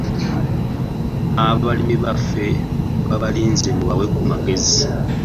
Abalimi baffe babalinze mubawe ku magezi.